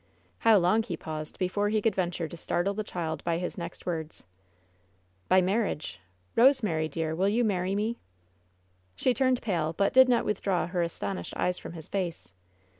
How long he paused before he could venture to startle the child by his next words: "By marriage. Kosemary, dear, will you marry me?" She turned pale, but did not withdraw her astonished eves from his face.